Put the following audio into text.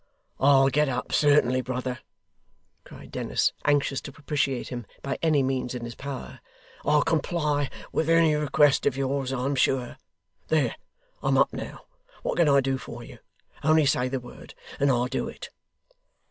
'I'll get up certainly, brother,' cried Dennis, anxious to propitiate him by any means in his power. 'I'll comply with any request of yours, I'm sure. There I'm up now. What can I do for you? Only say the word, and I'll do it.